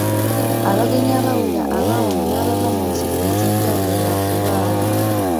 Abagenyi abawera aba wano n'abava mu nsi ez'enjawulo baakubaawo.